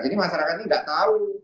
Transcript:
jadi masyarakat ini enggak tahu